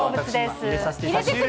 入れさせていただきます。